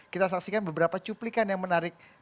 kita saksikan beberapa cuplikan yang menarik